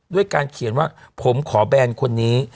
ด้วยการเขียนว่าผมขอแบนคนนี้